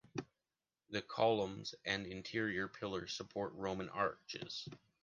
The columns and interior pillars support roman arches.